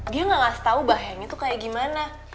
dia gak ngasih tau bahayanya tuh kayak gimana